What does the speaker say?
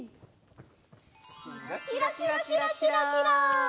キラキラキラキラキラ。